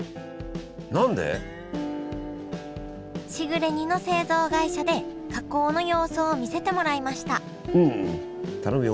しぐれ煮の製造会社で加工の様子を見せてもらいました頼むよ